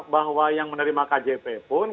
bahwa yang menerima kjp pun